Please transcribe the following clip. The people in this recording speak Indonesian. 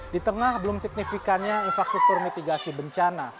di tengah belum signifikannya infrastruktur mitigasi bencana